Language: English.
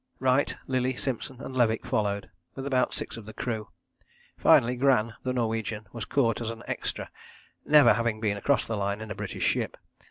Wright, Lillie, Simpson and Levick followed, with about six of the crew. Finally Gran, the Norwegian, was caught as an extra never having been across the Line in a British ship.